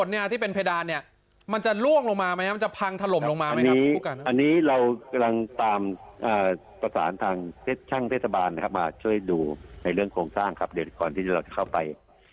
อันนี้เรากำลังตามประสานทางช่างเทศบาลนะครับมาช่วยดูในเรื่องโครงสร้างครับเดี๋ยวก่อนที่เราจะเข้าไป